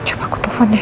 hai coba aku telepon deh